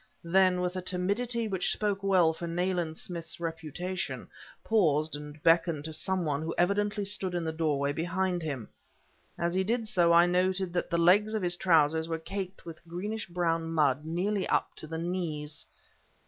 Then, with a timidity which spoke well for Nayland Smith's reputation, paused and beckoned to some one who evidently stood in the doorway behind him. As he did so I noted that the legs of his trousers were caked with greenish brown mud nearly up to the knees.